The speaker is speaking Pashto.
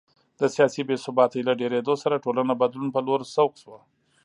د سیاسي بې ثباتۍ له ډېرېدو سره ټولنه بدلون په لور سوق شوه